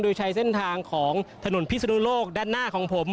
โดยใช้เส้นทางของถนนพิศนุโลกด้านหน้าของผม